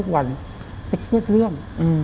เราเครียดเรื่อง